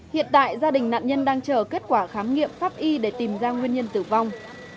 hiện tại gia đình nạn nhân đang chờ kết quả khám nghiệm pháp y để tìm ra nguyên nhân tử vong